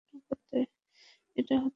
এটা হতে পারে কী?